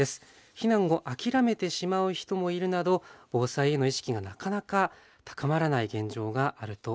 避難を諦めてしまう人もいるなど防災への意識がなかなか高まらない現状があるといいます。